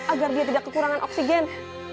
agar dia tidak kekurangan oksigen